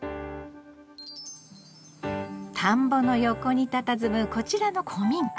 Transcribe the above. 田んぼの横にたたずむこちらの古民家。